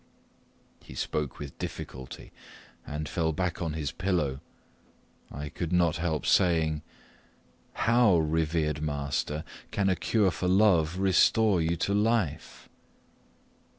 He spoke with difficulty, and fell back on his pillow. I could not help saying, "How, revered master, can a cure for love restore you to life?"